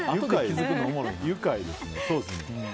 愉快ですね。